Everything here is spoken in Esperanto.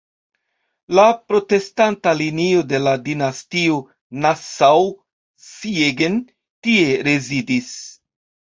La protestanta linio de la dinastio "Nassau-Siegen" tie rezidis.